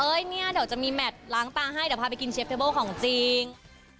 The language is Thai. เนี่ยเดี๋ยวจะมีแมทล้างตาให้เดี๋ยวพาไปกินเชฟเทเบิลของจริง